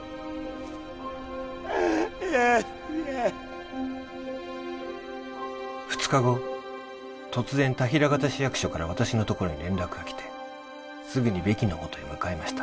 憂助２日後突然タヒラガタ市役所から私のところに連絡が来てすぐにベキのもとへ向かいました